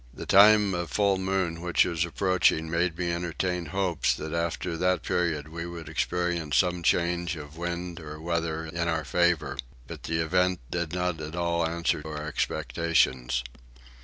The time of full moon which was approaching made me entertain hopes that after that period we should experience some change of wind or weather in our favour; but the event did not at all answer our expectations.